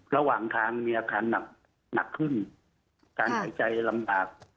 ระหว่างทางมีอาการหนักหนักขึ้นการหายใจลำบาก